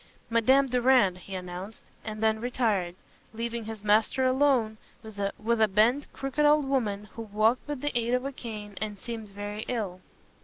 "Madame Durand," he announced, and then retired, leaving his master alone with a bent, crooked old woman who walked with the aid of a cane, and seemed very ill.